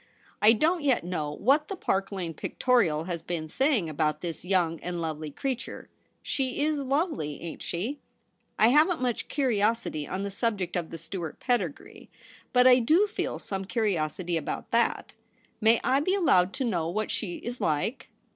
I don't yet know what the Park Lane Pictorial has been saying about this young and lovely creature. She is lovely, ain't she ? I haven't much curiosity on the subject of the Stuart TOMMY TRESSEL. 137 pedigree, but I do feel some curiosity about ^/laL May I be allowed to know what she is like